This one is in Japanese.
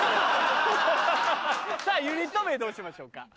さぁユニット名どうしましょうか？